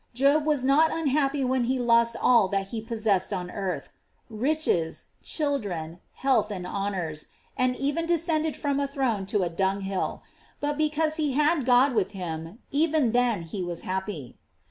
Job was not unhappy when he lost all that he possessed on earth; riches, children, health, and honors, and even de scended from a throne to a dunghill; but because lie had God with him, even then he was happy.